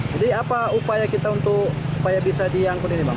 jadi apa upaya kita untuk supaya bisa diangkut ini bang